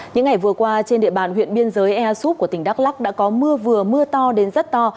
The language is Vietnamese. những ngày vừa qua trên địa bàn huyện biên giới ea súp của tỉnh đắk lắc đã có mưa vừa mưa to đến rất to